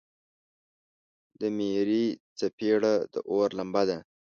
د میرې څپیړه د اور لمبه ده.